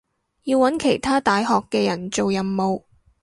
要搵其他大學嘅人做任務